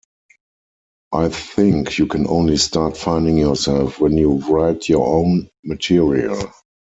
I think you can only start finding yourself when you write your own material.